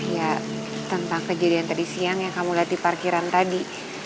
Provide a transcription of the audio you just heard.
ya tentang kejadian tadi siang yang kamu lihat di parkiran tadi